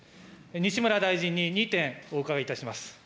西村大臣に２点、お伺いいたします。